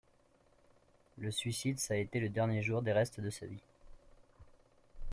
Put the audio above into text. le suicide ça a été le dernier jour des restes de sa vie.